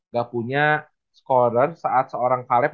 ga punya score an saat seorang kaleb